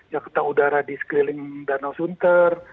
jakarta udara di sekeliling danau sunter